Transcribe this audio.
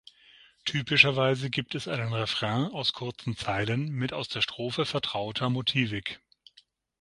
Typischerweise gibt es einen Refrain aus kurzen Zeilen mit aus der Strophe vertrauter Motivik.